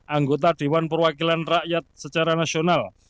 anggota dewan perwakilan rakyat secara nasional